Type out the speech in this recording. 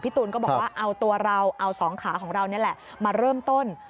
ตูนก็บอกว่าเอาตัวเราเอาสองขาของเรานี่แหละมาเริ่มต้น